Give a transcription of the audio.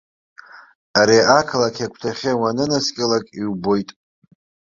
Ари ақалақь агәҭахьы уанынаскьалак иубоит.